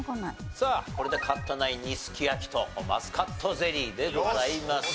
さあこれで勝ったナインにすき焼きとマスカットゼリーでございます。